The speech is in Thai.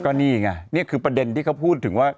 ก็นี่ไงนี่คือประเด็นที่เขาพูดถึงว่า